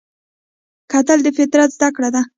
کتل د فطرت زده کړه ده